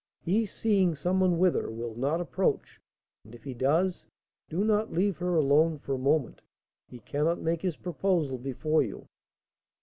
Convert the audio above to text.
He, seeing some one with her, will not approach; and if he does, do not leave her alone for a moment. He cannot make his proposal before you."